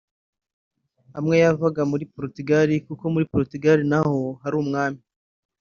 Amwe yavaga muri Portugal […] kuko muri Portugal naho hari ubwami